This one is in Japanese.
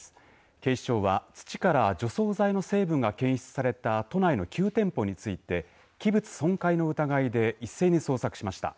警視庁は土から除草剤の成分が検出された都内の９店舗について器物損壊の疑いで一斉に捜索しました。